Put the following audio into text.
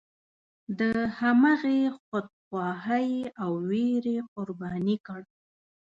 د همغې خودخواهۍ او ویرې قرباني کړ.